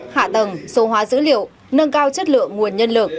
hạ tầng số hóa dữ liệu nâng cao chất lượng nguồn nhân lực